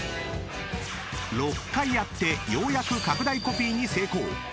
［６回やってようやく拡大コピーに成功］